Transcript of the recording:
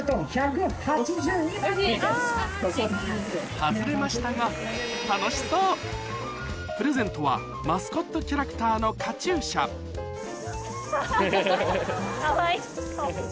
外れましたがプレゼントはマスコットキャラクターのカチューシャハハハハ。